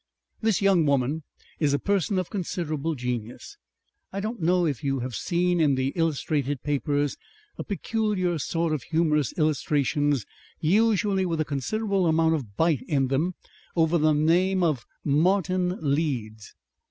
"This young woman is a person of considerable genius. I don't know if you have seen in the illustrated papers a peculiar sort of humorous illustrations usually with a considerable amount of bite in them over the name of Martin Leeds?